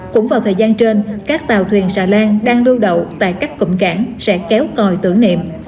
cũng vào thời gian trên các tàu thuyền xà lan đang lưu đậu tại các cụm cảng sẽ kéo còi tử niệm